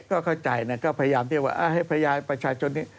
ก็พยายามที่ว่าให้ประชาชน